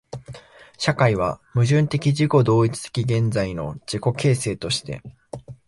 社会は矛盾的自己同一的現在の自己形成として、